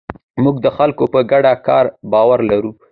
موږ د خلکو په ګډ کار باور لرو.